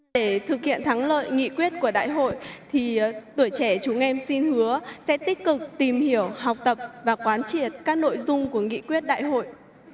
để thực hiện thắng lợi nghị quyết của đại hội thì tuổi trẻ chúng em xin hứa sẽ tích cực tìm hiểu học tập và quán triệt các nội dung của nghị quyết đại hội